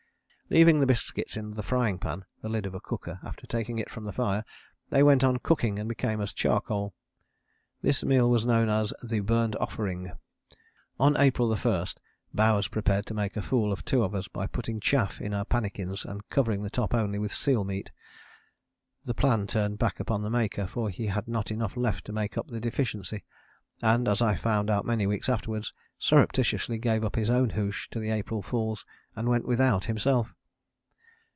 Leaving the biscuits in the frying pan, the lid of a cooker, after taking it from the fire, they went on cooking and became as charcoal. This meal was known as 'the burnt offering.' On April 1 Bowers prepared to make a fool of two of us by putting chaff in our pannikins and covering the top only with seal meat. The plan turned back upon the maker, for he had not enough left to make up the deficiency, and, as I found out many weeks afterwards, surreptitiously gave up his own hoosh to the April fools and went without himself.